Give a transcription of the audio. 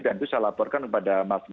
dan itu saya laporkan kepada pak jika